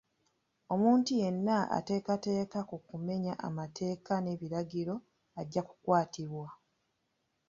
Omuntu yenna ateekateka ku kumenya amateeka n'ebiragiro ajja kukwatibwa.